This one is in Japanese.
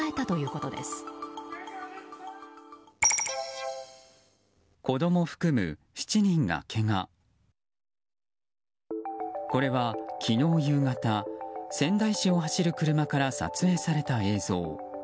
これは昨日夕方仙台市を走る車から撮影された映像。